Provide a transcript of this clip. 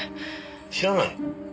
知らない？